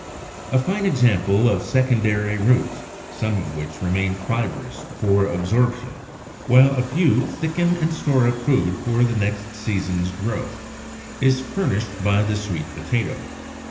] 77. A fine example of secondary roots (67), some of which remain fibrous for absorption, while a few thicken and store up food for the next season's growth, is furnished by the Sweet Potato (Fig.